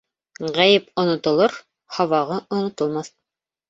Ғәйеп онотолор, һабағы онотолмаҫ.